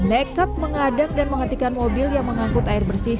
nekat mengadang dan menghentikan mobil yang mengangkut air bersih